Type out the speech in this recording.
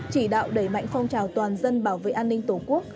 chỉ đạo đẩy mạnh phong trào toàn dân bảo vệ an ninh tổ quốc